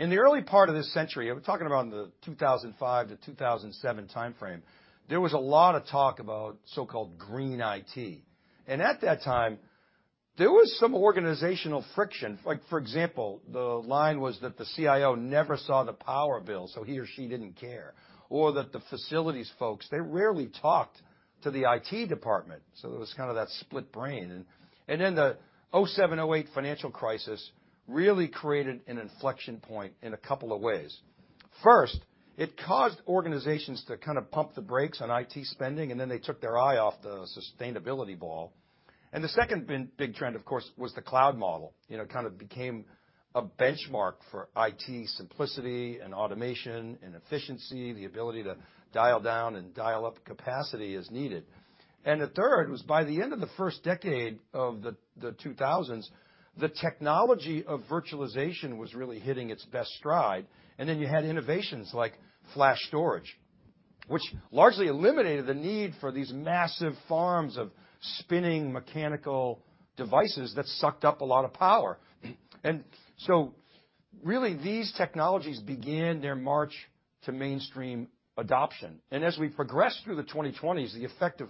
In the early part of this century, we're talking around the 2005-2007 timeframe, there was a lot of talk about so-called Green IT. At that time, there was some organizational friction. Like, for example, the line was that the CIO never saw the power bill, so he or she didn't care. That the facilities folks, they rarely talked to the IT department. There was kind of that split brain. Then the 07-08 financial crisis really created an inflection point in a couple of ways. First, it caused organizations to kind of pump the brakes on IT spending, and then they took their eye off the sustainability ball. The second big trend, of course, was the cloud model. You know, it kind of became a benchmark for IT simplicity and automation and efficiency, the ability to dial down and dial up capacity as needed. The third was by the end of the first decade of the 2000s, the technology of virtualization was really hitting its best stride. You had innovations like flash storage, which largely eliminated the need for these massive farms of spinning mechanical devices that sucked up a lot of power. Really, these technologies began their march to mainstream adoption. As we progress through the 2020s, the effect of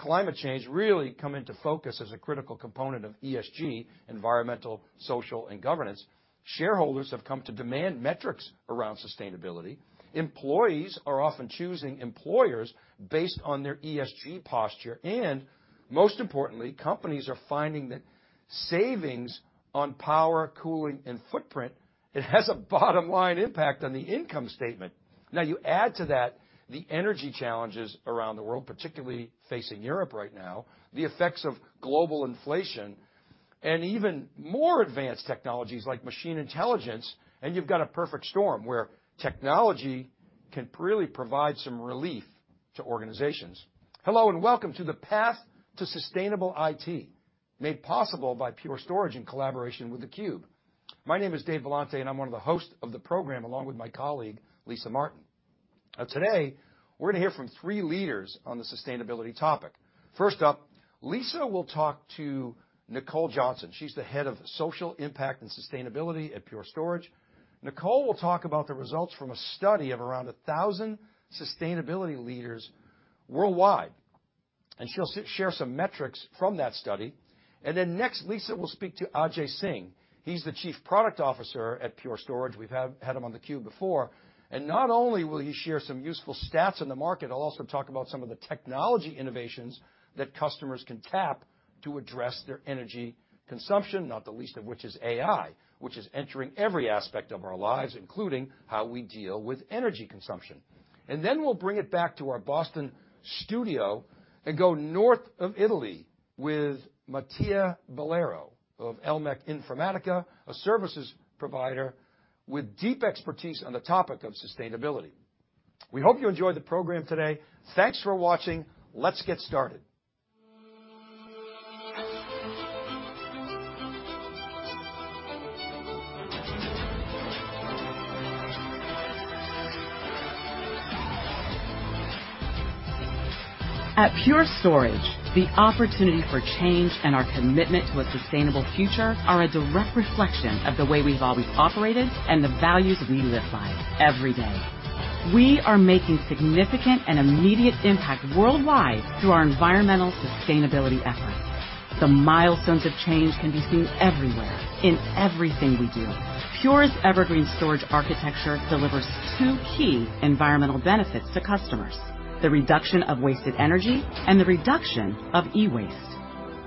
climate change really come into focus as a critical component of ESG, environmental, social, and governance. Shareholders have come to demand metrics around sustainability. Employees are often choosing employers based on their ESG posture. Most importantly, companies are finding that savings on power, cooling, and footprint, it has a bottom-line impact on the income statement. You add to that the energy challenges around the world, particularly facing Europe right now, the effects of global inflation and even more advanced technologies like machine intelligence, and you've got a perfect storm where technology can really provide some relief to organizations. Hello, welcome to The Path to Sustainable IT, made possible by Pure Storage in collaboration with theCUBE. My name is Dave Vellante, and I'm one of the hosts of the program, along with my colleague, Lisa Martin. Today, we're going to hear from three leaders on the sustainability topic. First up, Lisa will talk to Nicole Johnson. She's the head of social impact and sustainability at Pure Storage. Nicole will talk about the results from a study of around 1,000 sustainability leaders worldwide, and she'll share some metrics from that study. Next, Lisa will speak to Ajay Singh. He's the Chief Product Officer at Pure Storage. We've had him on theCUBE before. Not only will he share some useful stats in the market, he'll also talk about some of the technology innovations that customers can tap to address their energy consumption, not the least of which is AI, which is entering every aspect of our lives, including how we deal with energy consumption. We'll bring it back to our Boston studio and go north of Italy with Mattia Bollaro of Elmec Informatica, a services provider with deep expertise on the topic of sustainability. We hope you enjoy the program today. Thanks for watching. Let's get started. At Pure Storage, the opportunity for change and our commitment to a sustainable future are a direct reflection of the way we've always operated and the values we live by every day. We are making significant and immediate impact worldwide through our environmental sustainability efforts. The milestones of change can be seen everywhere in everything we do. Pure's Evergreen Storage Architecture delivers 2 key environmental benefits to customers: the reduction of wasted energy and the reduction of e-waste.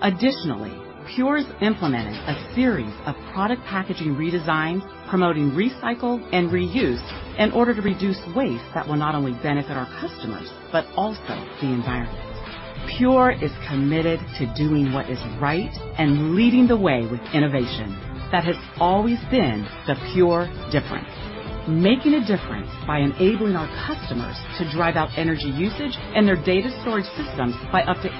Additionally, Pure's implemented a series of product packaging redesigns promoting recycle and reuse in order to reduce waste that will not only benefit our customers, but also the environment. Pure is committed to doing what is right and leading the way with innovation. That has always been the Pure difference. Making a difference by enabling our customers to drive out energy usage and their data storage systems by up to 80%.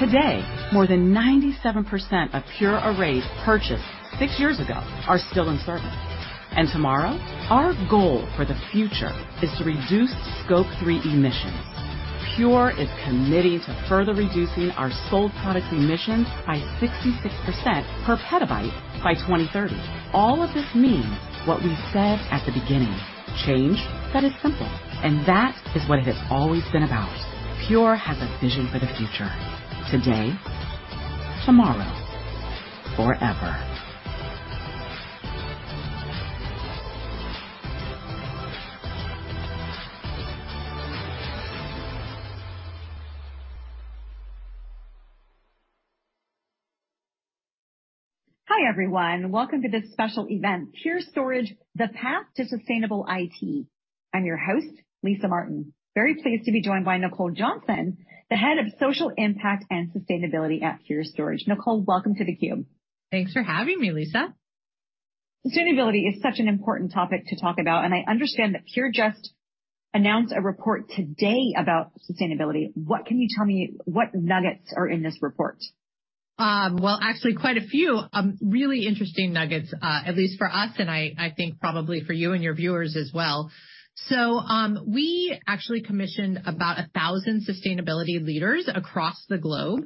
Today, more than 97% of Pure arrays purchased 6 years ago are still in service. Tomorrow, our goal for the future is to reduce Scope 3 emissions. Pure is committing to further reducing our sold product emissions by 66% per petabyte by 2030. All of this means what we said at the beginning, change that is simple, and that is what it has always been about. Pure has a vision for the future. Today, tomorrow, forever. Hi, everyone. Welcome to this special event, Pure Storage, The Path to Sustainable IT. I'm your host, Lisa Martin. Very pleased to be joined by Nicole Johnson, the head of social impact and sustainability at Pure Storage. Nicole, welcome to theCUBE. Thanks for having me, Lisa. Sustainability is such an important topic to talk about, and I understand that Pure just announced a report today about sustainability. What can you tell me what nuggets are in this report? Well, actually quite a few, really interesting nuggets, at least for us and I think probably for you and your viewers as well. We actually commissioned about 1,000 sustainability leaders across the globe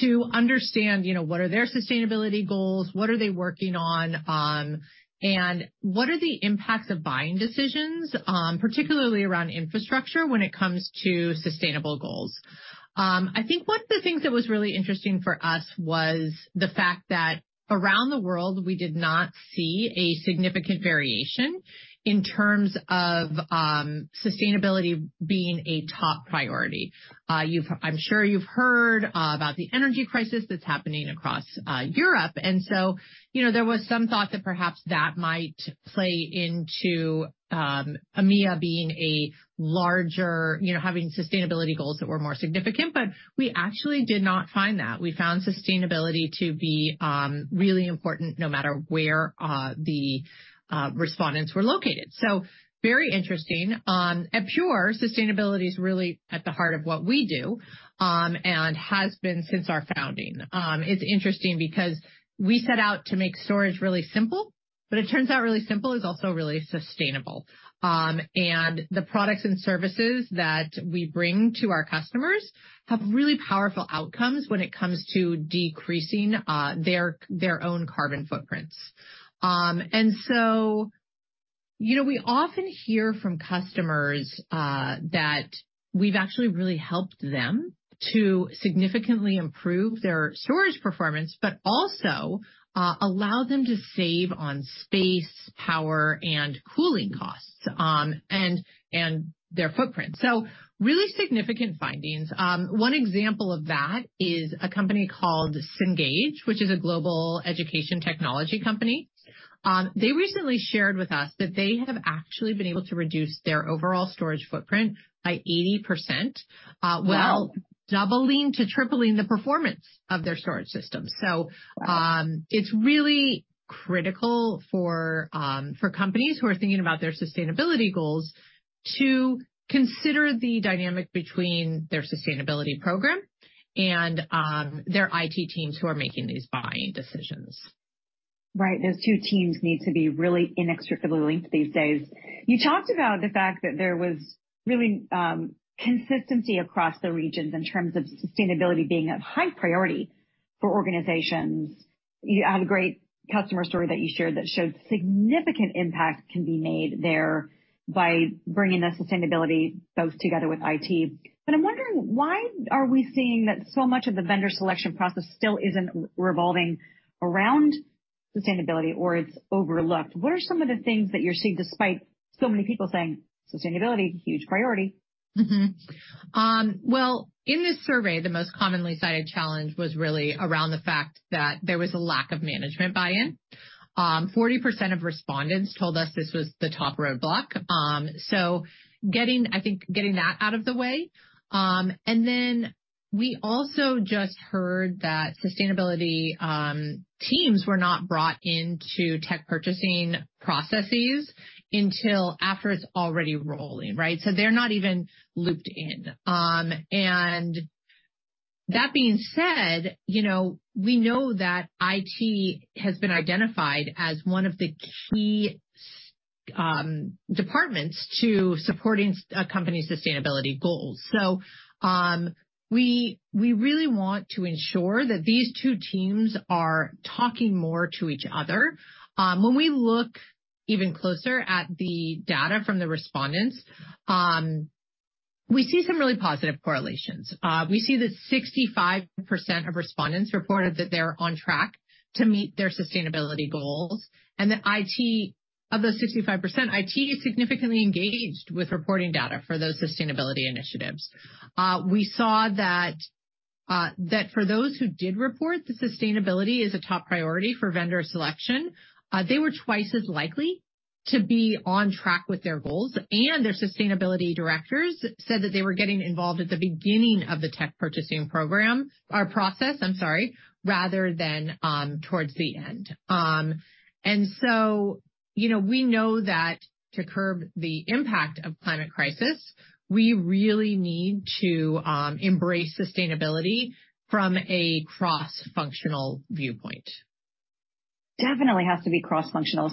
to understand, you know, what are their sustainability goals, what are they working on, and what are the impacts of buying decisions, particularly around infrastructure when it comes to sustainable goals. I think one of the things that was really interesting for us was the fact that around the world we did not see a significant variation in terms of sustainability being a top priority. I'm sure you've heard about the energy crisis that's happening across Europe. You know, there was some thought that perhaps that might play into EMEA being a larger, you know, having sustainability goals that were more significant, but we actually did not find that. We found sustainability to be really important no matter where the respondents were located. Very interesting. At Pure, sustainability is really at the heart of what we do and has been since our founding. It's interesting because we set out to make storage really simple, but it turns out really simple is also really sustainable. And the products and services that we bring to our customers have really powerful outcomes when it comes to decreasing their own carbon footprints. You know, we often hear from customers that we've actually really helped them to significantly improve their storage performance, but also allow them to save on space, power and cooling costs, and their footprint. Really significant findings. One example of that is a company called Cengage, which is a global education technology company. They recently shared with us that they have actually been able to reduce their overall storage footprint by 80%. Wow. while doubling to tripling the performance of their storage system. It's really critical for companies who are thinking about their sustainability goals to consider the dynamic between their sustainability program and their IT teams who are making these buying decisions. Right. Those two teams need to be really inextricably linked these days. You talked about the fact that there was really consistency across the regions in terms of sustainability being a high priority for organizations. You have a great customer story that you shared that showed significant impact can be made there by bringing the sustainability folks together with IT. I'm wondering, why are we seeing that so much of the vendor selection process still isn't revolving around sustainability or it's overlooked? What are some of the things that you're seeing despite so many people saying sustainability, huge priority? Well, in this survey, the most commonly cited challenge was really around the fact that there was a lack of management buy-in. 40% of respondents told us this was the top roadblock. Getting that out of the way. We also just heard that sustainability teams were not brought into tech purchasing processes until after it's already rolling, right? They're not even looped in. That being said, you know, we know that IT has been identified as one of the key departments to supporting a company's sustainability goals. We really want to ensure that these two teams are talking more to each other. When we look even closer at the data from the respondents, we see some really positive correlations. We see that 65% of respondents reported that they're on track to meet their sustainability goals, and that IT of the 65%, IT significantly engaged with reporting data for those sustainability initiatives. We saw that for those who did report the sustainability is a top priority for vendor selection, they were 2 times as likely to be on track with their goals, and their sustainability directors said that they were getting involved at the beginning of the tech purchasing program or process, I'm sorry, rather than towards the end. You know, we know that to curb the impact of climate crisis, we really need to embrace sustainability from a cross-functional viewpoint. Definitely has to be cross-functional.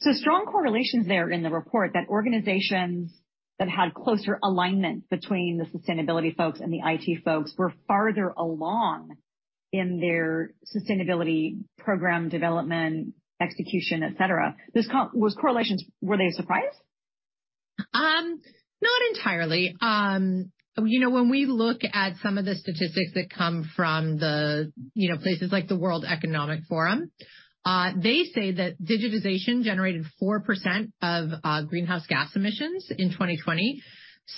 Strong correlations there in the report that organizations that had closer alignment between the sustainability folks and the IT folks were farther along in their sustainability program development, execution, et cetera. Those correlations, were they a surprise? Not entirely. You know, when we look at some of the statistics that come from the, you know, places like the World Economic Forum, they say that digitization generated 4% of greenhouse gas emissions in 2020.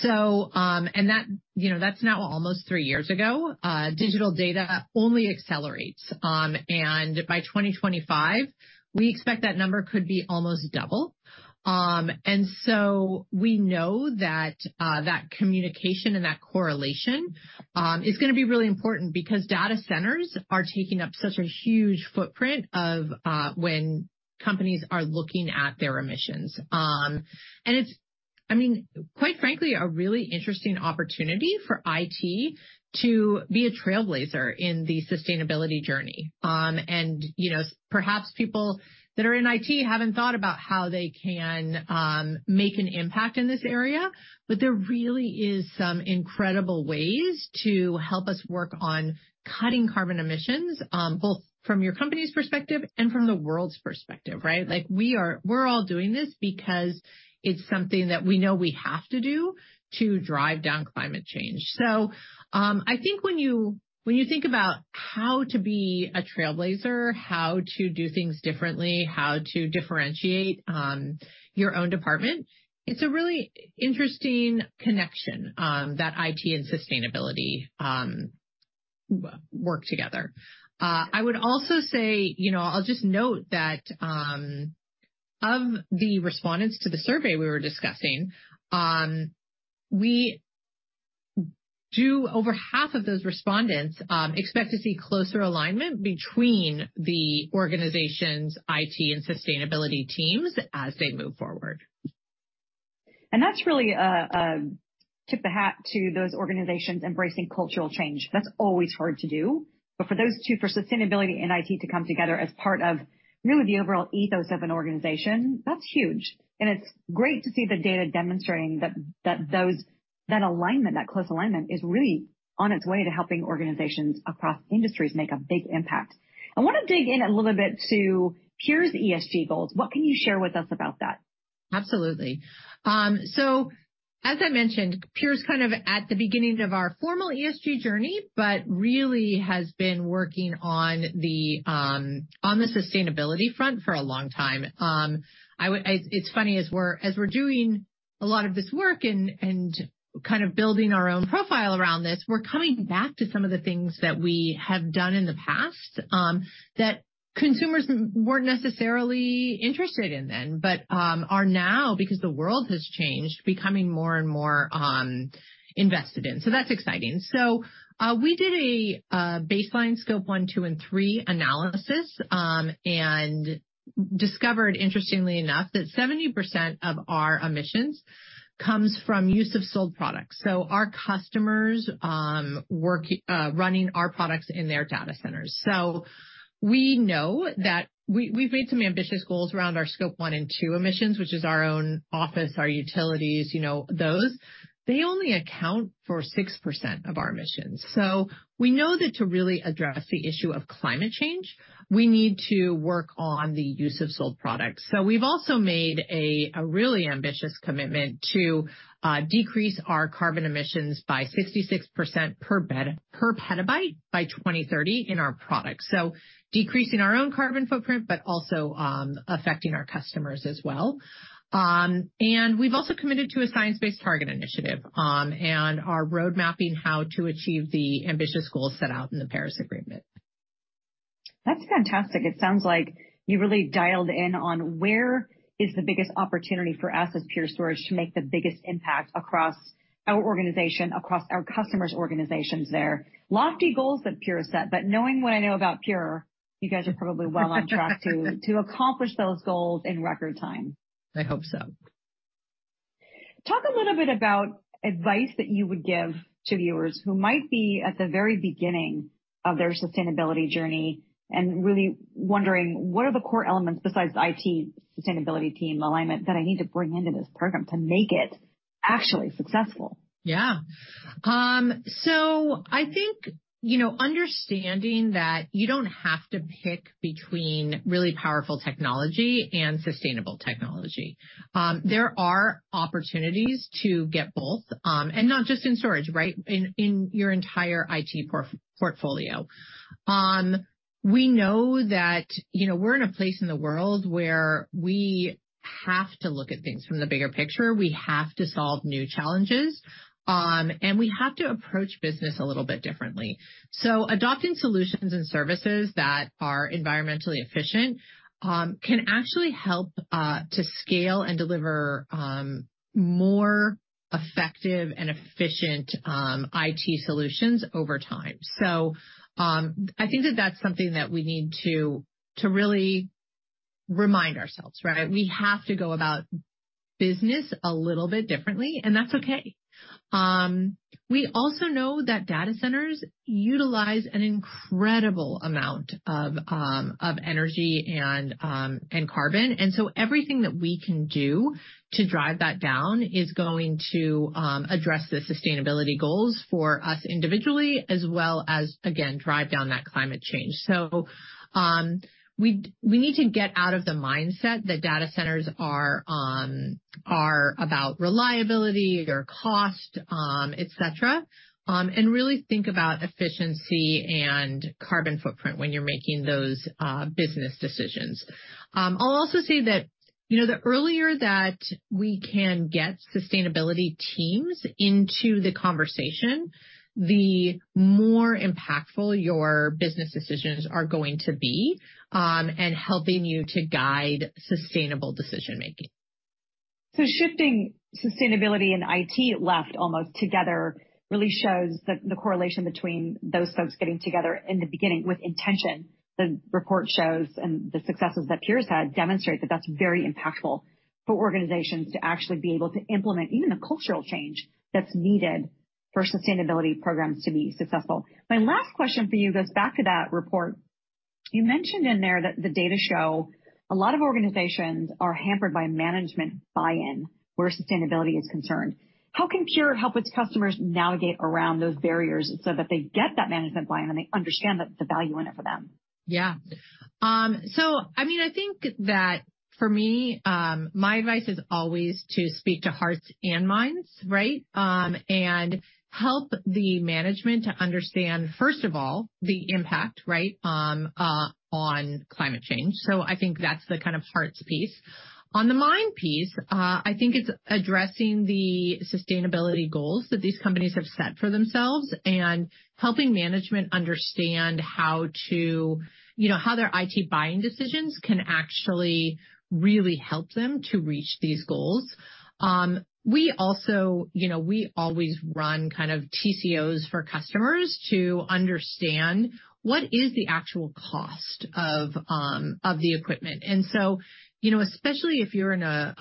That, you know, that's now almost 3 years ago. Digital data only accelerates. By 2025, we expect that number could be almost double. We know that communication and that correlation is gonna be really important because data centers are taking up such a huge footprint of when companies are looking at their emissions. I mean, quite frankly, a really interesting opportunity for IT to be a trailblazer in the sustainability journey. You know, perhaps people that are in IT haven't thought about how they can make an impact in this area, but there really is some incredible ways to help us work on cutting carbon emissions, both from your company's perspective and from the world's perspective, right? Like, we're all doing this because it's something that we know we have to do to drive down climate change. I think when you, when you think about how to be a trailblazer, how to do things differently, how to differentiate, your own department, it's a really interesting connection, that IT and sustainability, work together. I would also say, you know, I'll just note that, of the respondents to the survey we were discussing, we do. Over half of those respondents, expect to see closer alignment between the organization's IT and sustainability teams as they move forward. That's really a tip the hat to those organizations embracing cultural change. That's always hard to do. For those two, for sustainability and IT to come together as part of really the overall ethos of an organization, that's huge. It's great to see the data demonstrating that alignment, that close alignment is really on its way to helping organizations across industries make a big impact. I want to dig in a little bit to Pure's ESG goals. What can you share with us about that? Absolutely. As I mentioned, Pure's kind of at the beginning of our formal ESG journey but really has been working on the sustainability front for a long time. It's funny, as we're, as we're doing a lot of this work and kind of building our own profile around this, we're coming back to some of the things that we have done in the past, that consumers weren't necessarily interested in then, but are now because the world has changed, becoming more and more invested in. That's exciting. We did a baseline Scope 1, 2, and 3 analysis, and discovered, interestingly enough, that 70% of our emissions comes from use of sold products, so our customers, running our products in their data centers. We know that we've made some ambitious goals around our Scope 1 and 2 emissions, which is our own office, our utilities, you know, those. They only account for 6% of our emissions. We know that to really address the issue of climate change, we need to work on the use of sold products. We've also made a really ambitious commitment to decrease our carbon emissions by 66% per petabyte by 2030 in our products. Decreasing our own carbon footprint, but also affecting our customers as well. We've also committed to a Science Based Targets initiative and are road mapping how to achieve the ambitious goals set out in the Paris Agreement. That's fantastic. It sounds like you really dialed in on where is the biggest opportunity for us as Pure to make the biggest impact across our organization, across our customers' organizations there. Lofty goals that Pure set, knowing what I know about Pure, you guys are probably well on track to accomplish those goals in record time. I hope so. Talk a little bit about advice that you would give to viewers who might be at the very beginning of their sustainability journey and really wondering what are the core elements besides IT sustainability team alignment that I need to bring into this program to make it actually successful? Yeah. I think, you know, understanding that you don't have to pick between really powerful technology and sustainable technology. There are opportunities to get both, and not just in storage, right? In your entire IT portfolio. We know that, you know, we're in a place in the world where we have to look at things from the bigger picture. We have to solve new challenges, and we have to approach business a little bit differently. Adopting solutions and services that are environmentally efficient, can actually help to scale and deliver more effective and efficient IT solutions over time. I think that that's something that we need to really remind ourselves, right? We have to go about business a little bit differently, and that's okay. We also know that data centers utilize an incredible amount of energy and carbon. Everything that we can do to drive that down is going to address the sustainability goals for us individually as well as, again, drive down that climate change. We need to get out of the mindset that data centers are about reliability or cost, et cetera, and really think about efficiency and carbon footprint when you're making those business decisions. I'll also say that, you know, the earlier that we can get sustainability teams into the conversation, the more impactful your business decisions are going to be and helping you to guide sustainable decision-making. Shifting sustainability and IT left almost together really shows the correlation between those folks getting together in the beginning with intention. The report shows and the successes that Pure's had demonstrate that that's very impactful for organizations to actually be able to implement even the cultural change that's needed for sustainability programs to be successful. My last question for you goes back to that report. You mentioned in there that the data show a lot of organizations are hampered by management buy-in where sustainability is concerned. How can Pure help its customers navigate around those barriers so that they get that management buy-in, and they understand the value in it for them? Yeah. I mean, I think that for me, my advice is always to speak to hearts and minds, right? Help the management to understand, first of all, the impact, right, on climate change. I think that's the kind of hearts piece. On the mind piece, I think it's addressing the sustainability goals that these companies have set for themselves and helping management understand how to, you know, how their IT buying decisions can actually really help them to reach these goals. We also, you know, we always run kind of TCOs for customers to understand what is the actual cost of the equipment. You know, especially if you're in a,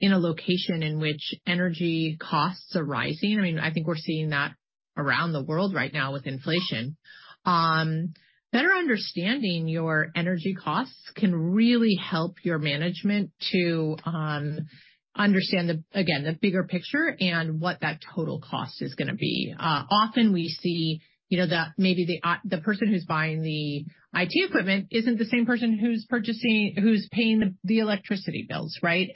in a location in which energy costs are rising, I mean, I think we're seeing that around the world right now with inflation. Better understanding your energy costs can really help your management to understand the, again, the bigger picture and what that total cost is gonna be. Often, we see, you know, the, maybe the person who's buying the IT equipment isn't the same person who's purchasing, who's paying the electricity bills, right?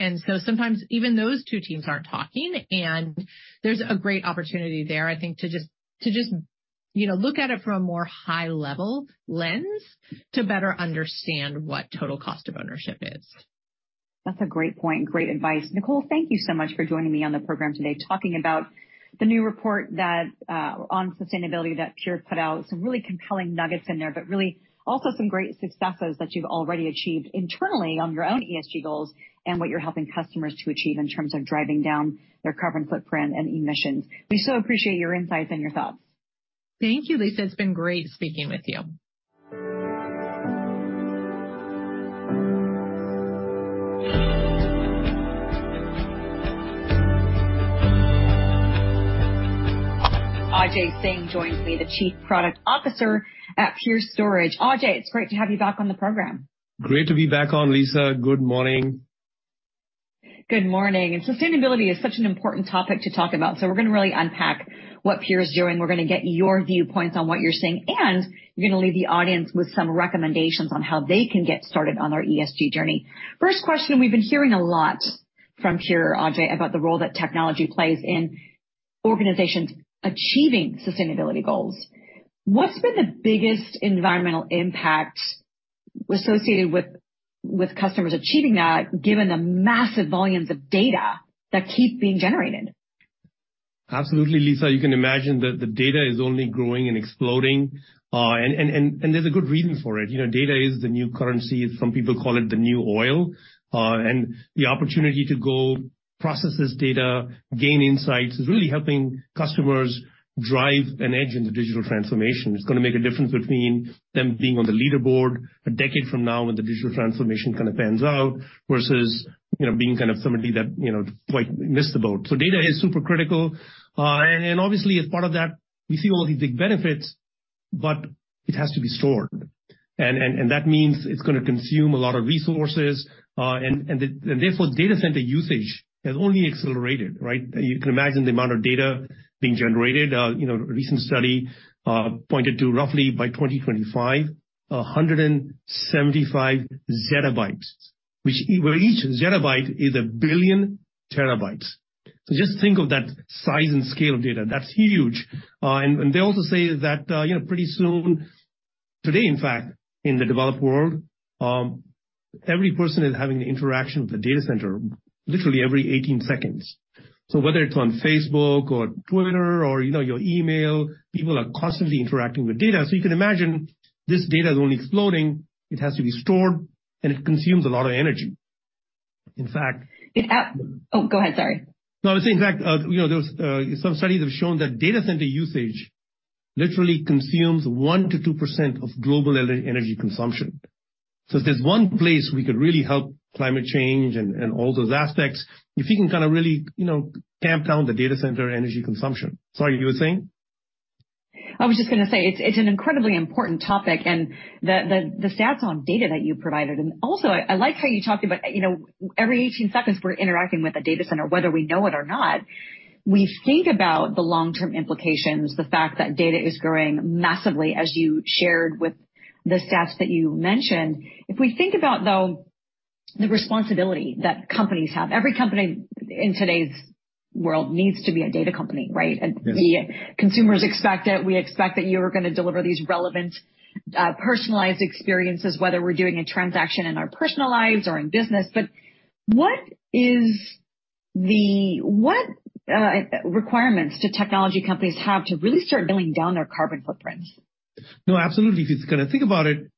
Sometimes even those two teams aren't talking. There's a great opportunity there, I think, to just, you know, look at it from a more high-level lens to better understand what total cost of ownership is. That's a great point, great advice. Nicole, thank you so much for joining me on the program today, talking about the new report that on sustainability that Pure put out. Really also some great successes that you've already achieved internally on your own ESG goals and what you're helping customers to achieve in terms of driving down their carbon footprint and emissions. We so appreciate your insights and your thoughts. Thank you, Lisa. It's been great speaking with you. Ajay Singh joins me, the Chief Product Officer at Pure Storage. Ajay, it's great to have you back on the program. Great to be back on, Lisa. Good morning. Good morning. Sustainability is such an important topic to talk about, so we're going to really unpack what Pure is doing. We're going to get your viewpoints on what you're seeing, you're going to leave the audience with some recommendations on how they can get started on their ESG journey. First question, we've been hearing a lot from Pure, Ajay, about the role that technology plays in organizations achieving sustainability goals. What's been the biggest environmental impact associated with customers achieving that given the massive volumes of data that keep being generated? Absolutely, Lisa. You can imagine that the data is only growing and exploding. There's a good reason for it. You know, data is the new currency. Some people call it the new oil. The opportunity to go process this data, gain insights, is really helping customers drive an edge in the digital transformation. It's gonna make a difference between them being on the leaderboard a decade from now when the digital transformation kind of pans out versus, you know, being kind of somebody that, you know, quite missed the boat. Data is super critical. Obviously as part of that we see all these big benefits, but it has to be stored. That means it's gonna consume a lot of resources. Therefore, data center usage has only accelerated, right? You can imagine the amount of data being generated. You know, a recent study pointed to roughly by 2025, 175 zettabytes, which where each zettabyte is 1 billion terabytes. Just think of that size and scale of data. That's huge. They also say that, you know, pretty soon, today in fact, in the developed world, every person is having an interaction with a data center literally every 18 seconds. Whether it's on Facebook or X or, you know, your email, people are constantly interacting with data. You can imagine this data is only exploding. It has to be stored, and it consumes a lot of energy. In fact- Oh, go ahead, sorry. No, I was saying, in fact, you know, there's, some studies have shown that data center usage literally consumes 1 to 2% of global energy consumption. If there's one place, we could really help climate change and all those aspects, if we can kind a really, you know, tamp down the data center energy consumption. Sorry, you were saying? I was just gonna say, it's an incredibly important topic and the, the stats on data that you provided. Also, I like how you talked about, you know, every 18 seconds we're interacting with a data center, whether we know it or not. We think about the long-term implications, the fact that data is growing massively, as you shared with the stats that you mentioned. If we think about, though, the responsibility that companies have, every company in today's world needs to be a data company, right? Yes. The consumers expect it. We expect that you're gonna deliver these relevant, personalized experiences, whether we're doing a transaction in our personal lives or in business. What requirements do technology companies have to really start billing down their carbon footprints? No, absolutely. If you kind of think about it,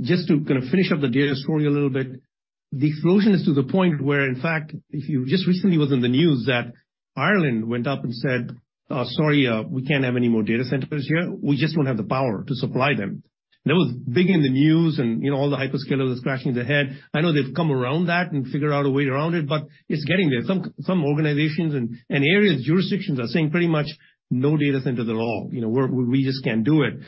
just to kind of finish up the data story a little bit, the explosion is to the point where, in fact, if you just recently was in the news that Ireland went up and said, "Sorry, we can't have any more data centers here. We just don't have the power to supply them." That was big in the news. You know, all the hyperscalers scratching their head. I know they've come around that and figured out a way around it, but it's getting there. Some organizations and areas, jurisdictions are saying pretty much no data center at all. You know, we just can't do it.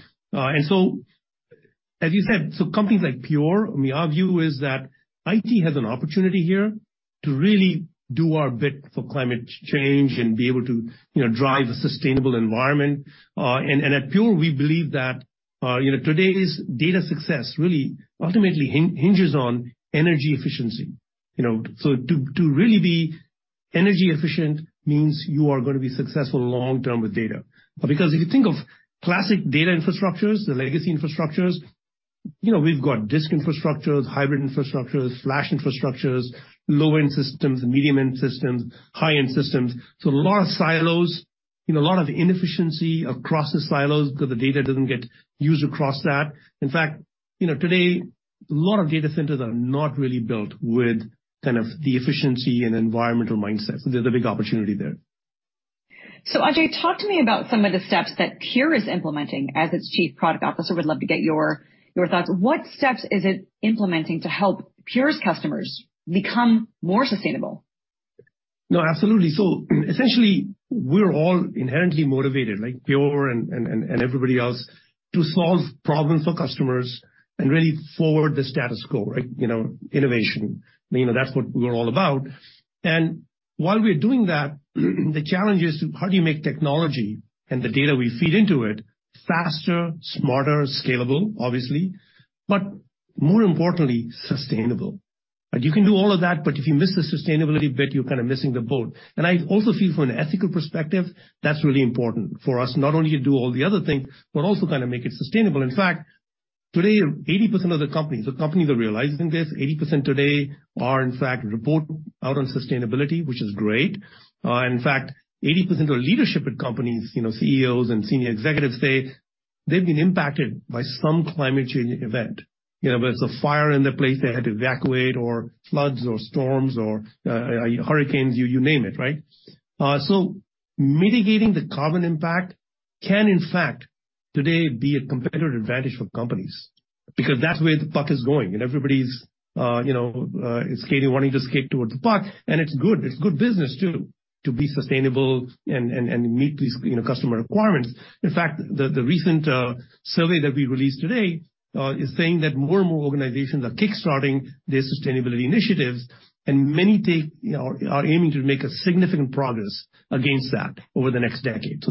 As you said, companies like Pure, I mean, our view is that IT has an opportunity here to really do our bit for climate change and be able to, you know, drive a sustainable environment. At Pure, we believe that, you know, today's data success really ultimately hinges on energy efficiency, you know? To really be energy efficient means you are gonna be successful long term with data. Because if you think of classic data infrastructures, the legacy infrastructures, you know, we've got disk infrastructures, hybrid infrastructures, flash infrastructures, low-end systems, medium-end systems, high-end systems. A lot of silos. You know, a lot of inefficiency across the silos because the data doesn't get used across that. In fact, you know, today, a lot of data centers are not really built with kind of the efficiency and environmental mindset. There's a big opportunity there. Ajay, talk to me about some of the steps that Pure is implementing. As its Chief Product Officer, would love to get your thoughts. What steps is it implementing to help Pure's customers become more sustainable? No, absolutely. Essentially, we're all inherently motivated, like Pure and everybody else, to solve problems for customers and really forward the status quo, right? You know, innovation. You know, that's what we're all about. While we're doing that, the challenge is how do you make technology and the data we feed into it faster, smarter, scalable, obviously, but more importantly, sustainable. You can do all of that, but if you miss the sustainability bit, you're kind of missing the boat. I also feel from an ethical perspective, that's really important for us, not only to do all the other things, but also to kind of make it sustainable. In fact, today, 80% of the companies, so companies are realizing this, 80% today are in fact report out on sustainability, which is great. In fact, 80% of leadership at companies, you know, CEOs and senior executives say they've been impacted by some climate change event. You know, whether it's a fire in their place they had to evacuate or floods or storms or hurricanes, you name it, right? Mitigating the carbon impact can in fact today be a competitive advantage for companies because that's where the puck is going and everybody's, you know, skating, wanting to skate towards the puck, and it's good. It's good business too, to be sustainable and meet these, you know, customer requirements. In fact, the recent survey that we released today is saying that more and more organizations are kickstarting their sustainability initiatives and many take, you know, are aiming to make a significant progress against that over the next decade.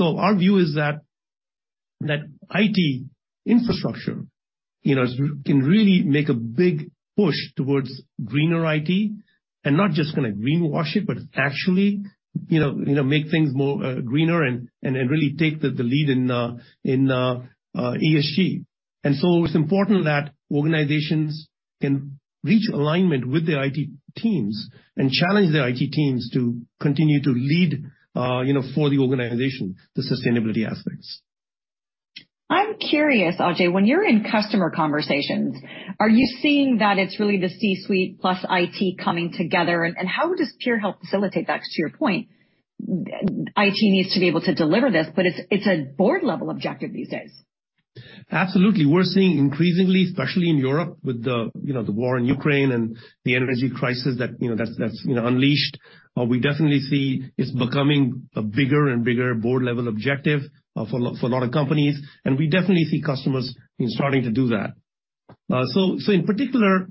Our view is that IT infrastructure, you know, can really make a big push towards Green IT and not just gonna greenwash it, but actually, you know, make things more greener and really take the lead in ESG. It's important that organizations can reach alignment with their IT teams and challenge their IT teams to continue to lead, you know, for the organization, the sustainability aspects. I'm curious, Ajay, when you're in customer conversations, are you seeing that it's really the C-suite plus IT coming together? How does Pure help facilitate that? To your point, IT needs to be able to deliver this, but it's a board-level objective these days. Absolutely. We're seeing increasingly, especially in Europe with the, you know, the war in Ukraine and the energy crisis that, you know, that's, you know, unleashed, we definitely see it's becoming a bigger and bigger board-level objective for a lot of companies, and we definitely see customers starting to do that. In particular,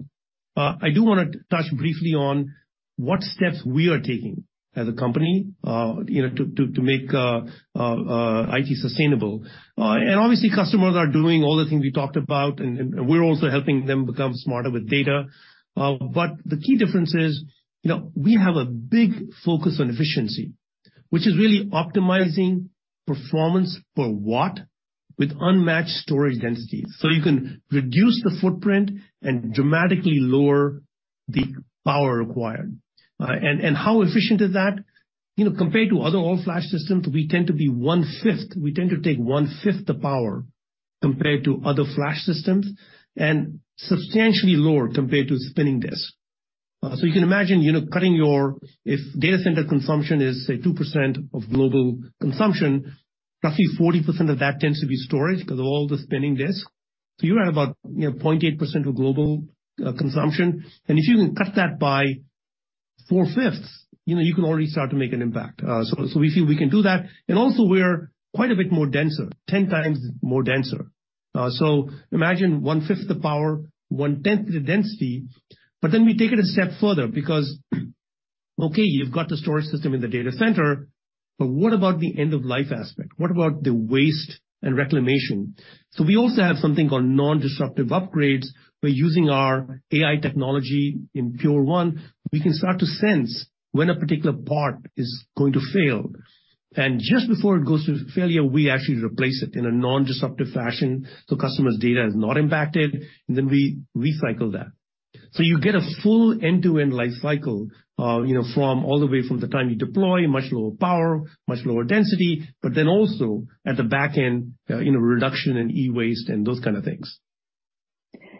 I do wanna touch briefly on what steps we are taking as a company, you know, to make IT sustainable. Obviously customers are doing all the things we talked about and we're also helping them become smarter with data. The key difference is, you know, we have a big focus on efficiency, which is really optimizing performance per watt with unmatched storage density. You can reduce the footprint and dramatically lower the power required. How efficient is that? You know, compared to other all-flash systems, we tend to be one-fifth. We tend to take one-fifth the power compared to other flash systems and substantially lower compared to spinning disks. You can imagine, you know, cutting your, if data center consumption is, say, 2% of global consumption, roughly 40% of that tends to be storage cause of all the spinning disks. You're at about, you know, 0.8% of global consumption. If you can cut that by four-fifths, you know, you can already start to make an impact. We feel we can do that. Also, we're quite a bit more denser, 10 times more denser. Imagine one-fifth the power, one-tenth the density. We take it a step further because, okay, you've got the storage system in the data center. What about the end-of-life aspect? What about the waste and reclamation? We also have something called non-disruptive upgrades, where using our AI technology in Pure1, we can start to sense when a particular part is going to fail. Just before it goes to failure, we actually replace it in a non-disruptive fashion. Customer's data is not impacted. We recycle that. You get a full end-to-end life cycle, you know, from all the way from the time you deploy, much lower power, much lower density. Also at the back end, you know, reduction in e-waste and those kind of things.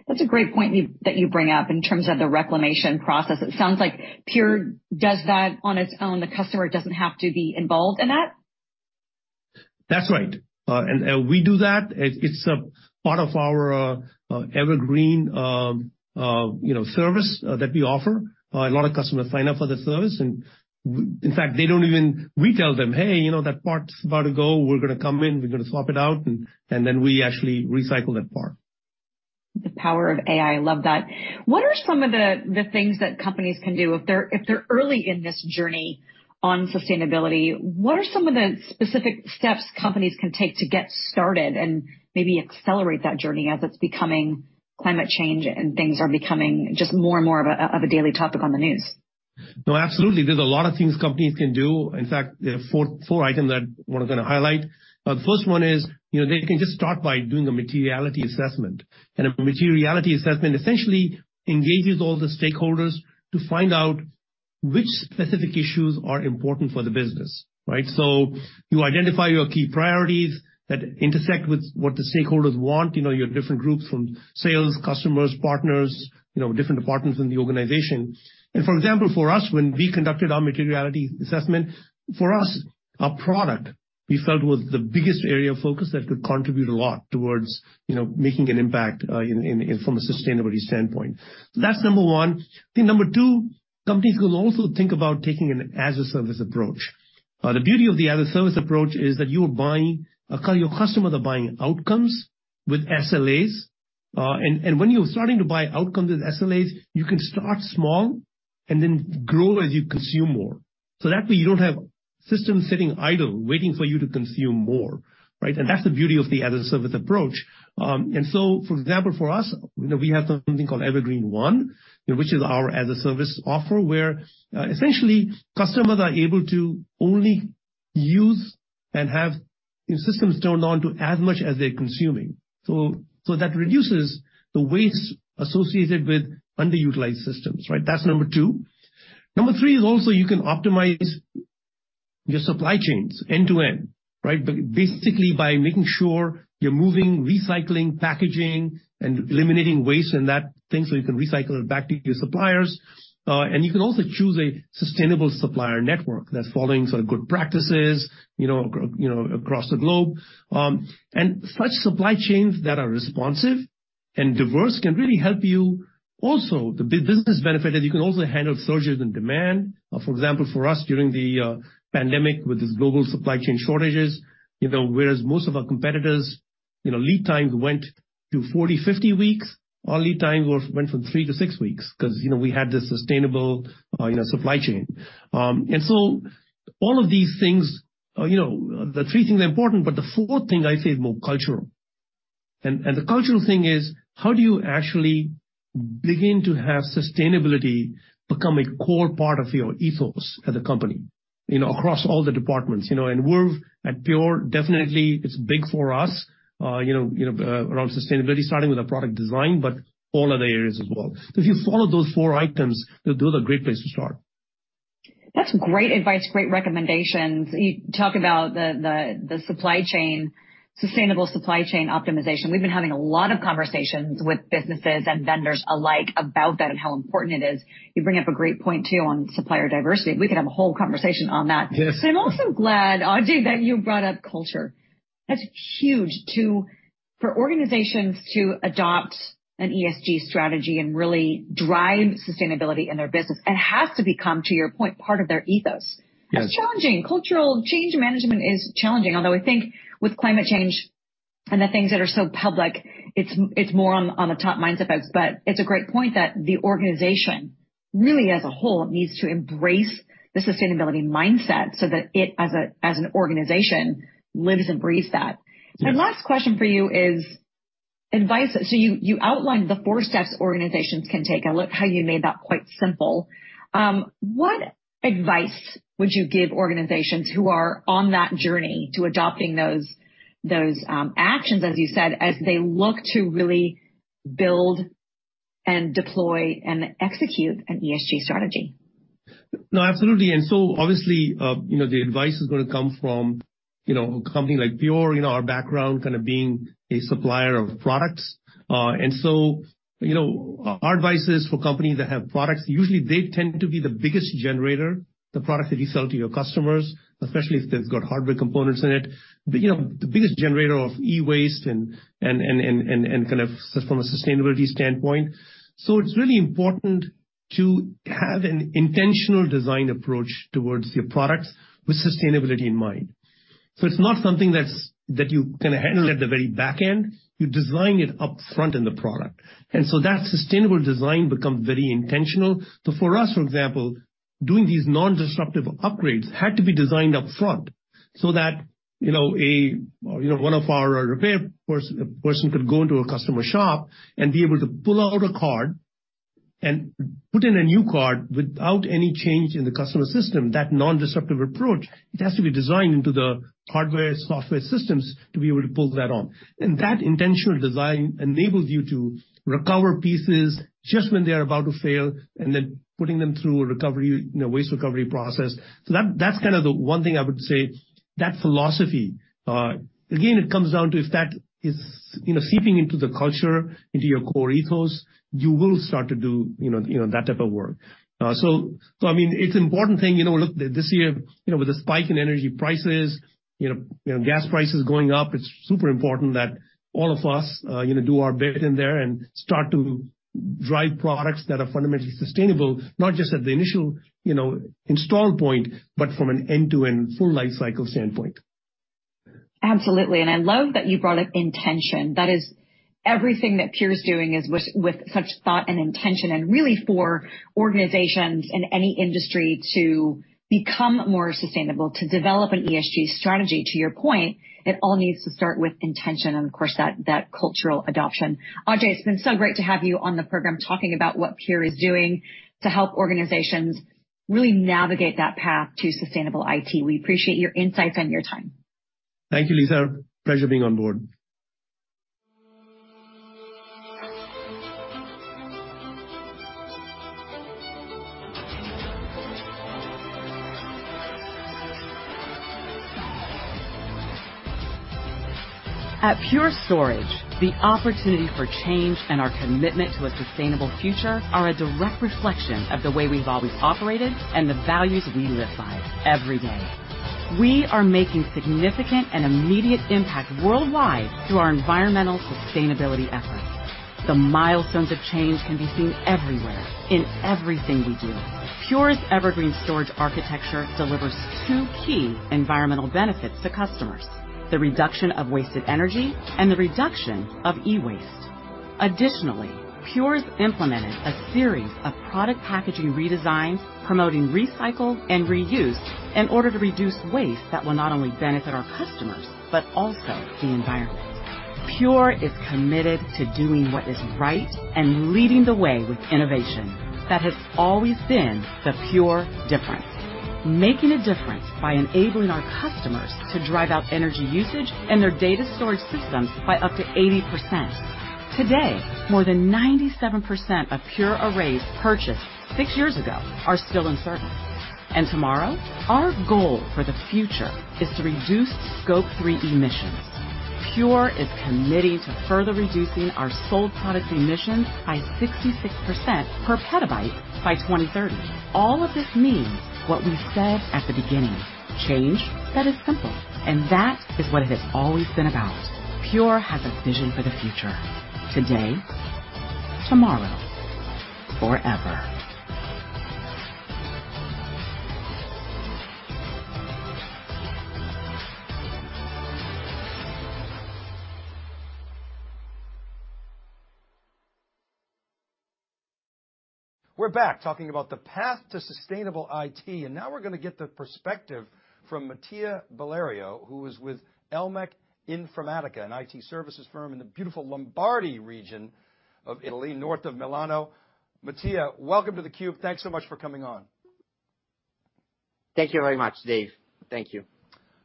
That's a great point that you bring up in terms of the reclamation process. It sounds like Pure does that on its own. The customer doesn't have to be involved in that? That's right. We do that. It's a part of our Evergreen, you know, service that we offer. A lot of customers sign up for the service, in fact, they don't even... We tell them, "Hey, you know that part's about to go. We're gonna come in, we're gonna swap it out," and then we actually recycle that part. The power of AI. Love that. What are some of the things that companies can do if they're early in this journey on sustainability? What are some of the specific steps companies can take to get started and maybe accelerate that journey as it's becoming climate change and things are becoming just more and more of a daily topic on the news? No, absolutely. There's a lot of things companies can do. In fact, there are four items that what I'm going to highlight. The first one is, you know, they can just start by doing a materiality assessment. A materiality assessment essentially engages all the stakeholders to find out which specific issues are important for the business, right? You identify your key priorities that intersect with what the stakeholders want. You know, your different groups from sales, customers, partners, you know, different departments in the organization. For example, for us, when we conducted our materiality assessment, for us, our product we felt was the biggest area of focus that could contribute a lot towards, you know, making an impact from a sustainability standpoint. That's number one. I think number two, companies could also think about taking an as a service approach. The beauty of the as a service approach is that your customers are buying outcomes with SLAs. When you're starting to buy outcomes with SLAs, you can start small and then grow as you consume more. That way you don't have systems sitting idle waiting for you to consume more, right? That's the beauty of the as a service approach. For example, for us, you know, we have something called Evergreen//One, which is our as a service offer where essentially customers are able to only use and have systems turned on to as much as they're consuming. That reduces the waste associated with underutilized systems, right? That's number two. Number three is also you can optimize your supply chains end-to-end, right? Basically, by making sure you're moving recycling packaging and eliminating waste and that thing, so you can recycle it back to your suppliers. You can also choose a sustainable supplier network that's following sort of good practices, you know, across the globe. Such supply chains that are responsive and diverse can really help you. Also, the business benefit is you can also handle surges in demand. For example, for us during the pandemic with these global supply chain shortages, you know, whereas most of our competitors, you know, lead times went to 40, 50 weeks. Our lead time went from 3 to 6 weeks 'cause, you know, we had this sustainable, you know, supply chain. All of these things, you know, the 3 things are important, but the fourth thing I say is more cultural. The cultural thing is, how do you actually begin to have sustainability become a core part of your ethos as a company, you know, across all the departments? You know, we're at Pure, definitely it's big for us, you know, around sustainability, starting with our product design, but all other areas as well. If you follow those four items, those are great place to start. That's great advice, great recommendations. You talk about the supply chain, sustainable supply chain optimization. We've been having a lot of conversations with businesses and vendors alike about that and how important it is. You bring up a great point too on supplier diversity. We can have a whole conversation on that. Yes. I'm also glad, Ajay, that you brought up culture. That's huge for organizations to adopt an ESG strategy and really drive sustainability in their business. It has to become, to your point, part of their ethos. Yes. It's challenging. Cultural change management is challenging. Although I think with climate change and the things that are so public, it's more on the top minds of folks. It's a great point that the organization really as a whole needs to embrace the sustainability mindset so that it as an organization, lives and breathes that. Yes. My last question for you is advice. You outlined the four steps organizations can take. I love how you made that quite simple. What advice would you give organizations who are on that journey to adopting those actions, as you said, as they look to really build and deploy and execute an ESG strategy? No, absolutely. Obviously, you know, the advice is gonna come from, you know, a company like Pure, you know, our background kind of being a supplier of products. You know, our advice is for companies that have products, usually they tend to be the biggest generator, the product that you sell to your customers, especially if they've got hardware components in it. You know, the biggest generator of e-waste and kind of from a sustainability standpoint. It's really important to have an intentional design approach towards your products with sustainability in mind. It's not something that's, that you kind a handle at the very back end. You design it up front in the product. That sustainable design becomes very intentional. For us, for example, doing these non-disruptive upgrades had to be designed up front so that one of our repair person could go into a customer shop and be able to pull out a card and put in a new card without any change in the customer system. That non-disruptive approach has to be designed into the hardware, software systems to be able to pull that on. That intentional design enables you to recover pieces just when they're about to fail, and then putting them through a recovery, you know, waste recovery process. That, that's kind of the one thing I would say, that philosophy, again, it comes down to if that is, you know, seeping into the culture, into your core ethos, you will start to do, you know, that type of work. I mean, it's important thing, you know, look, this year, you know, gas prices going up, it's super important that all of us, you know, do our bit in there and start to drive products that are fundamentally sustainable, not just at the initial, you know, install point, but from an end-to-end full life cycle standpoint. Absolutely. I love that you brought up intention. That is everything that Pure's doing is with such thought and intention and really for organizations in any industry to become more sustainable, to develop an ESG strategy. To your point, it all needs to start with intention and of course, that cultural adoption. Ajay, it's been so great to have you on the program talking about what Pure is doing to help organizations really navigate that path to sustainable IT. We appreciate your insights and your time. Thank you, Lisa. Pleasure being on board. At Pure Storage, the opportunity for change and our commitment to a sustainable future are a direct reflection of the way we've always operated and the values we live by every day. We are making significant and immediate impact worldwide through our environmental sustainability efforts. The milestones of change can be seen everywhere in everything we do. Pure's Evergreen Storage Architecture delivers two key environmental benefits to customers: the reduction of wasted energy and the reduction of e-waste. Pure's implemented a series of product packaging redesigns promoting recycled and reused in order to reduce waste that will not only benefit our customers, but also the environment. Pure is committed to doing what is right and leading the way with innovation. That has always been the Pure difference. Making a difference by enabling our customers to drive out energy usage in their data storage systems by up to 80%. Today, more than 97% of Pure arrays purchased 6 years ago are still in service. Tomorrow? Our goal for the future is to reduce Scope 3 emissions. Pure is committed to further reducing our sold products emissions by 66% per petabyte by 2030. All of this means what we said at the beginning, change that is simple, and that is what it has always been about. Pure has a vision for the future. Today, tomorrow, forever. We're back talking about the path to sustainable IT. Now we're gonna get the perspective from Mattia Bollaro, who is with Elmec Informatica, an IT services firm in the beautiful Lombardy region of Italy, north of Milano. Mattia, welcome to theCUBE. Thanks so much for coming on. Thank you very much, Dave. Thank you.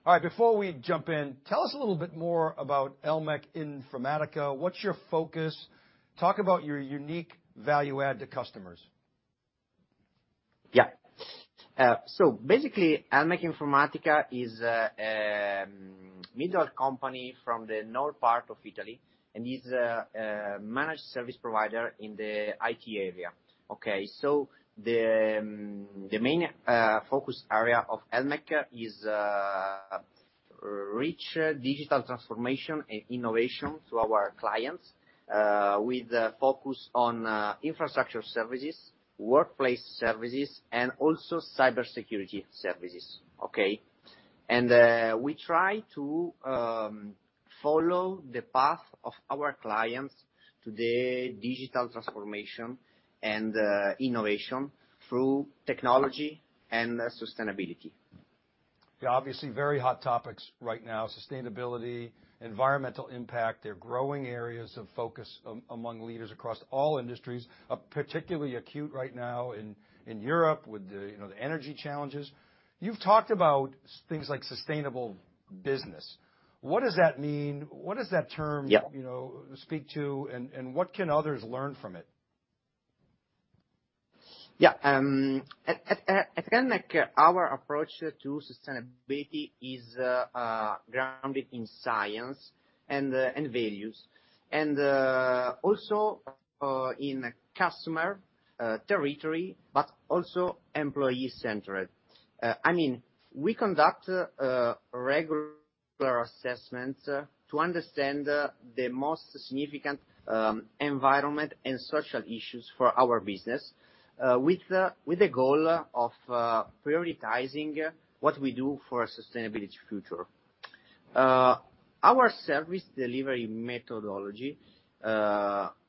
All right. Before we jump in, tell us a little bit more about Elmec Informatica. What's your focus? Talk about your unique value add to customers. Yeah. Basically, Elmec Informatica is a middle company from the north part of Italy and is a managed service provider in the IT area. The main focus area of Elmec is reach digital transformation and innovation to our clients with a focus on infrastructure services, workplace services, and also cybersecurity services. We try to follow the path of our clients to the digital transformation and innovation through technology and sustainability. Yeah, obviously very hot topics right now, sustainability, environmental impact. They're growing areas of focus among leaders across all industries, are particularly acute right now in Europe with the, you know, the energy challenges. You've talked about things like sustainable business. What does that mean? Yeah. You know, speak to, and what can others learn from it? Yeah. At Elmec our approach to sustainability is grounded in science and values. Also in customer territory, but also employee-centered. I mean, we conduct regular assessments to understand the most significant environment and social issues for our business, with the goal of prioritizing what we do for a sustainability future. Our service delivery methodology,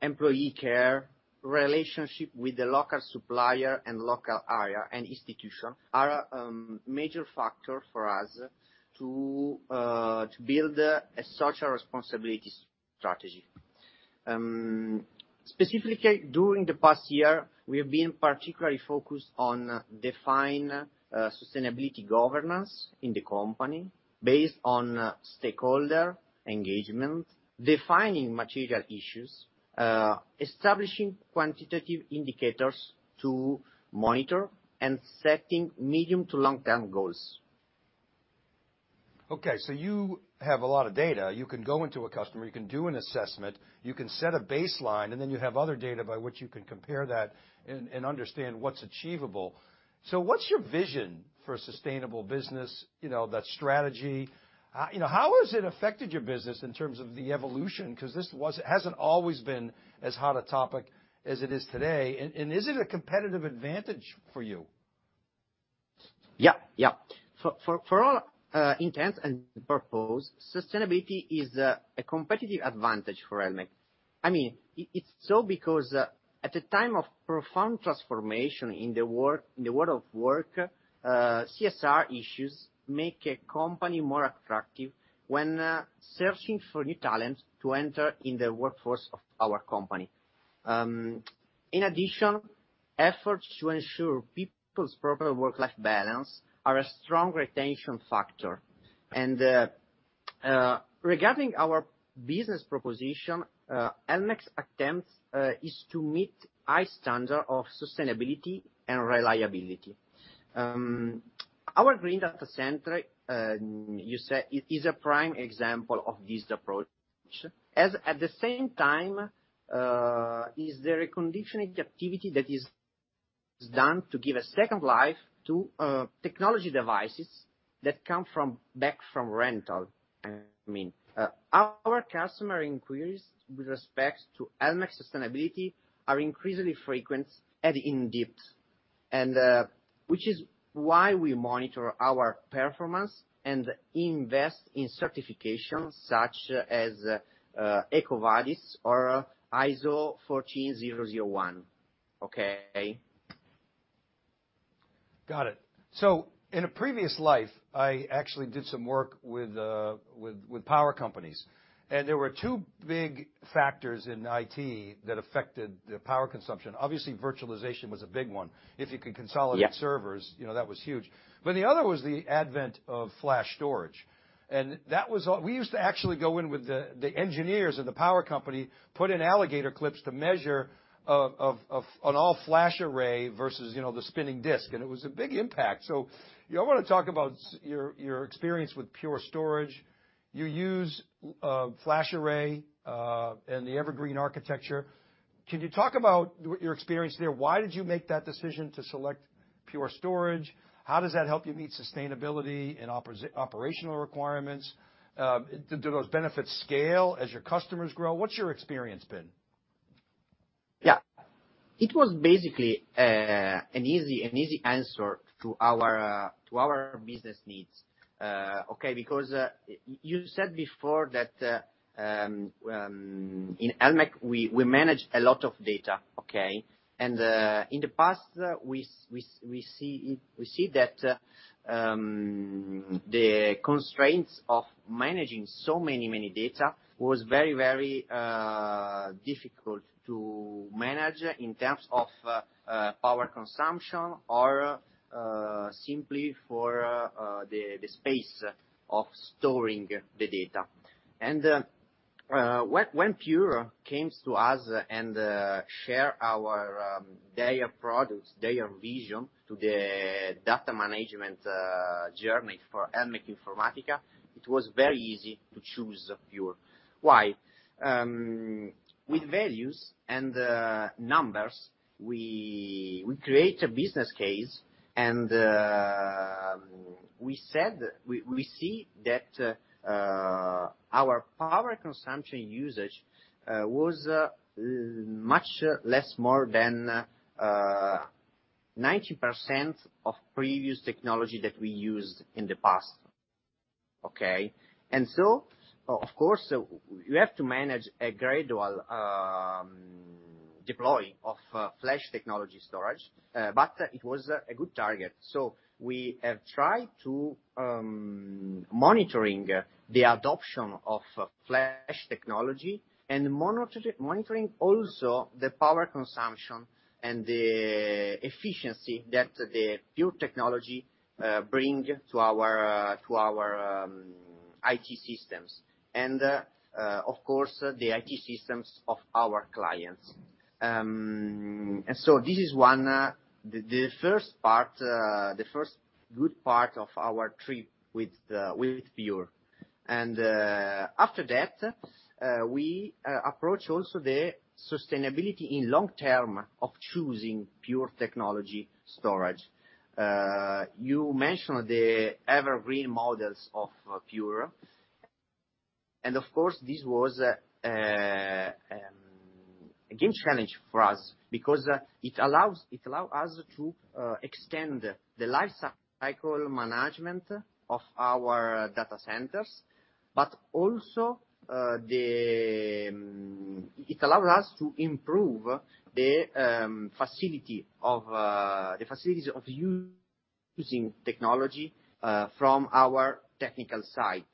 employee care, relationship with the local supplier and local area and institution are major factor for us to build a social responsibility strategy. Specifically, during the past year, we have been particularly focused on define sustainability governance in the company based on stakeholder engagement, defining material issues, establishing quantitative indicators to monitor and setting medium to long-term goals. Okay. You have a lot of data. You can go into a customer, you can do an assessment, you can set a baseline, and then you have other data by which you can compare that and understand what's achievable. What's your vision for sustainable business? You know that strategy. You know, how has it affected your business in terms of the evolution? Cause hasn't always been as hot a topic as it is today. Is it a competitive advantage for you? Yeah. Yeah. For all intents and purposes, sustainability is a competitive advantage for Elmec. I mean, it's so because, at the time of profound transformation in the world of work, CSR issues make a company more attractive when searching for new talent to enter in the workforce of our company. In addition, efforts to ensure people's proper work-life balance are a strong retention factor. Regarding our business proposition, Elmec's attempt is to meet high standard of sustainability and reliability. Our green data center, you say, is a prime example of this approach, as at the same time, is the reconditioning activity that is done to give a second life to technology devices that come from back from rental. I mean, our customer inquiries with respect to Elmec sustainability are increasingly frequent and in depth, and which is why we monitor our performance and invest in certifications such as EcoVadis or ISO 14001. Okay. Got it. In a previous life, I actually did some work with power companies, and there were two big factors in IT that affected the power consumption. Obviously, virtualization was a big one. If you could consolidate Yeah. servers, you know, that was huge. The other was the advent of flash storage. We used to actually go in with the engineers of the power company, put in alligator clips to measure of an all FlashArray versus, you know, the spinning disk, and it was a big impact. Y'all wanna talk about your experience with Pure Storage. You use FlashArray and the Evergreen architecture. Can you talk about your experience there? Why did you make that decision to select Pure Storage? How does that help you meet sustainability and operational requirements? Do those benefits scale as your customers grow? What's your experience been? Yeah. It was basically an easy answer to our to our business needs, okay, because you said before that in Elmec, we manage a lot of data, okay? In the past, we see that the constraints of managing so many data was very difficult to manage in terms of power consumption or simply for the space of storing the data. When Pure comes to us and share our their products, their vision to the data management journey for Elmec Informatica, it was very easy to choose Pure. Why? With values and numbers, we create a business case, and we said we see that our power consumption usage was much less, more than 90% of previous technology that we used in the past. Okay? Of course, you have to manage a gradual deploy of flash technology storage, but it was a good target. We have tried to monitoring the adoption of flash technology and monitoring also the power consumption and the efficiency that the Pure technology bring to our to our IT systems and of course, the IT systems of our clients. This is one the first part, the first good part of our trip with Pure. After that, we approach also the sustainability in long term of choosing Pure Storage. You mentioned the Evergreen models of Pure. Of course, this was a good challenge for us because it allow us to extend the lifecycle management of our data centers, but also It allowed us to improve the facility of the facilities of us using technology from our technical side.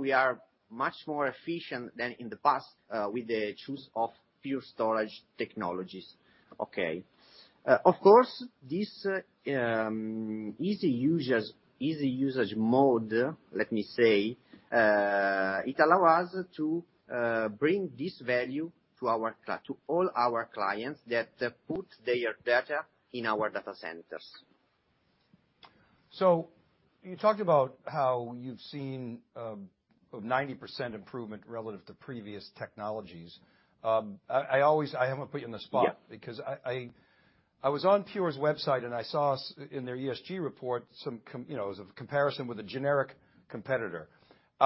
We are much more efficient than in the past with the choose of Pure Storage technologies. Of course, this easy users, easy usage mode, let me say, it allow us to bring this value to our to all our clients that put their data in our data centers. You talked about how you've seen, about 90% improvement relative to previous technologies. I always I don't wanna put you on the spot. Yeah. I was on Pure's website, I saw in their ESG report. You know, as a comparison with a generic competitor.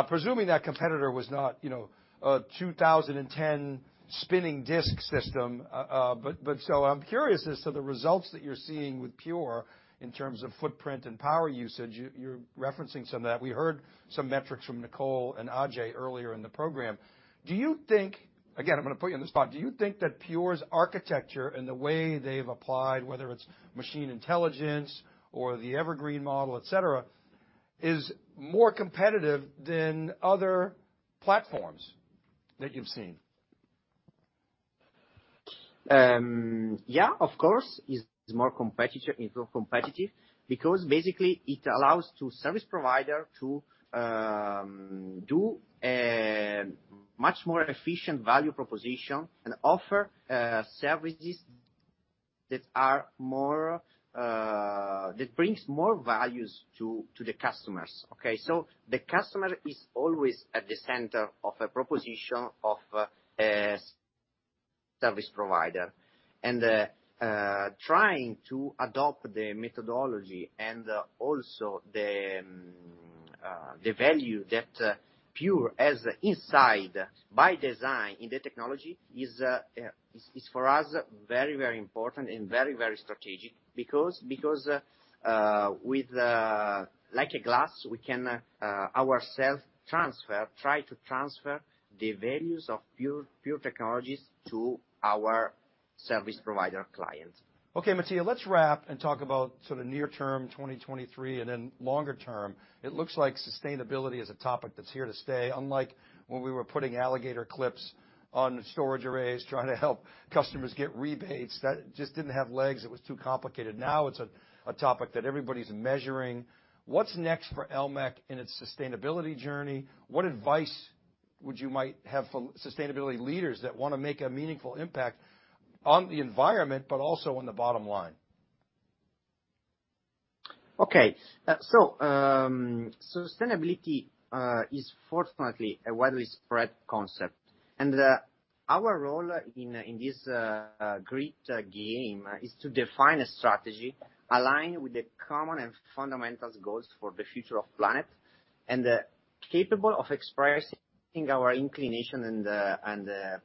Presuming that competitor was not, you know, a 2010 spinning disk system, I'm curious as to the results that you're seeing with Pure in terms of footprint and power usage. You're referencing some of that. We heard some metrics from Nicole and Ajay earlier in the program. Do you think? Again, I'm gonna put you on the spot. Do you think that Pure's architecture and the way they've applied, whether it's machine intelligence or the Evergreen model, et cetera, is more competitive than other platforms that you've seen? Yeah, of course, it's more competitive because basically it allows service provider to do a much more efficient value proposition and offer services that are more that brings more values to the customers. Okay. The customer is always at the center of a proposition of a service provider. Trying to adopt the methodology and also the value that Pure has inside by design in the technology is for us very important and very strategic because like a glass we can ourselves transfer, try to transfer the values of Pure technologies to our service provider clients. Okay, Mattia, let's wrap and talk about sort of near term 2023 and then longer term. It looks like sustainability is a topic that's here to stay, unlike when we were putting alligator clips on storage arrays, trying to help customers get rebates. That just didn't have legs. It was too complicated. Now it's a topic that everybody's measuring. What's next for Elmec in its sustainability journey? What advice would you might have for sustainability leaders that wanna make a meaningful impact on the environment but also on the bottom line? Okay. Sustainability is fortunately a widely spread concept, our role in this great game is to define a strategy aligned with the common and fundamentals goals for the future of planet and capable of expressing our inclination and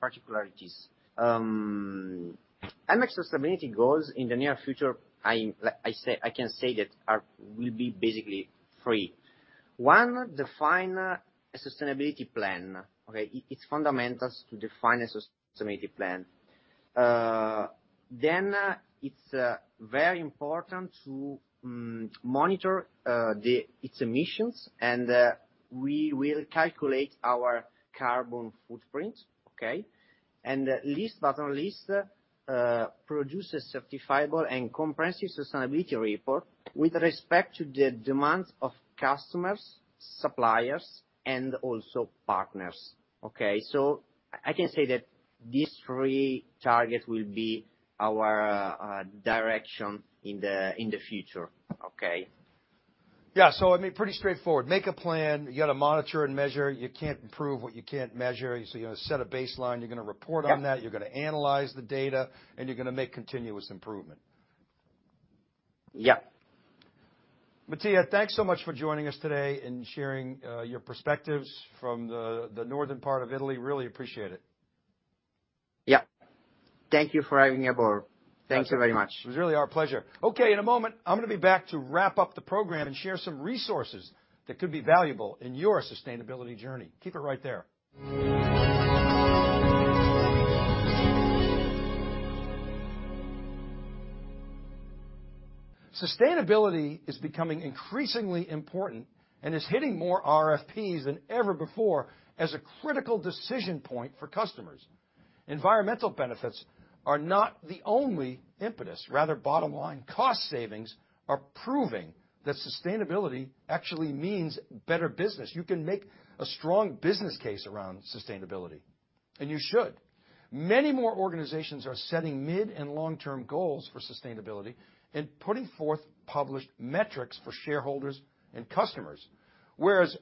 particularities. Elmec sustainability goals in the near future, I say, I can say that will be basically three. One, define a sustainability plan. Okay. It, it's fundamentals to define a sustainability plan. It's very important to monitor its emissions, and we will calculate our carbon footprint. Okay. Last but not least, produce a certifiable and comprehensive sustainability report with respect to the demands of customers, suppliers, and also partners. Okay. I can say that these three targets will be our direction in the future. Okay? Yeah. I mean, pretty straightforward. Make a plan. You gotta monitor and measure. You can't improve what you can't measure. You're gonna set a baseline, you're gonna report on that. Yeah. you're gonna analyze the data, and you're gonna make continuous improvement. Yeah. Mattia, thanks so much for joining us today and sharing your perspectives from the northern part of Italy. Really appreciate it. Yeah. Thank you for having me aboard. Thank you very much. It was really our pleasure. In a moment, I'm gonna be back to wrap up the program and share some resources that could be valuable in your sustainability journey. Keep it right there. Sustainability is becoming increasingly important and is hitting more RFPs than ever before as a critical decision point for customers. Environmental benefits are not the only impetus, bottom line cost savings are proving that sustainability actually means better business. You can make a strong business case around sustainability, you should. Many more organizations are setting mid and long-term goals for sustainability and putting forth published metrics for shareholders and customers.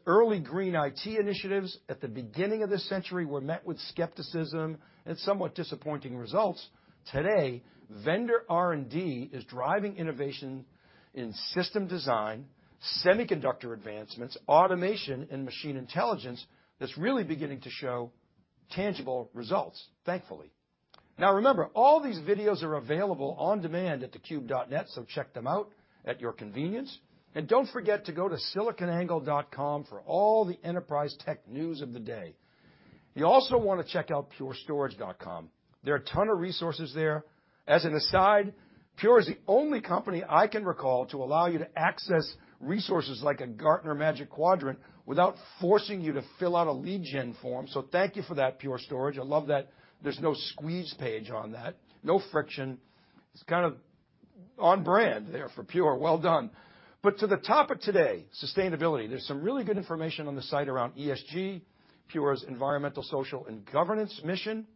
Early Green IT initiatives at the beginning of this century were met with skepticism and somewhat disappointing results, today, vendor R&D is driving innovation in system design, semiconductor advancements, automation, and machine intelligence that's really beginning to show tangible results, thankfully. Remember, all these videos are available on demand at theCUBE.net, so check them out at your convenience. Don't forget to go to SiliconANGLE.com for all the enterprise tech news of the day. You also want to check out PureStorage.com. There are a ton of resources there. As an aside, Pure is the only company I can recall to allow you to access resources like a Gartner Magic Quadrant without forcing you to fill out a lead gen form. Thank you for that, Pure Storage. I love that there's no squeeze page on that, no friction. It's kind of on brand there for Pure. Well, done. To the topic today, sustainability. There's some really good information on the site around ESG, Pure's environmental, social, and governance mission.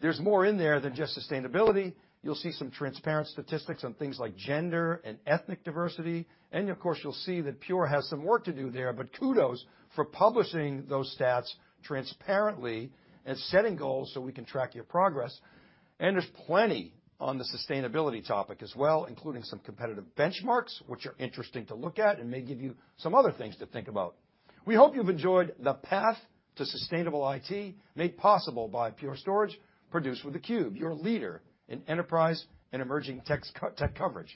There's more in there than just sustainability. You'll see some transparent statistics on things like gender and ethnic diversity. Of course, you'll see that Pure has some work to do there, but kudos for publishing those stats transparently and setting goals so we can track your progress. There's plenty on the sustainability topic as well, including some competitive benchmarks, which are interesting to look at and may give you some other things to think about. We hope you've enjoyed The Path to Sustainable IT, made possible by Pure, produced with theCUBE, your leader in enterprise and emerging tech coverage.